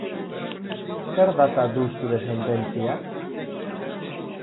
Zer data du zure sententziak?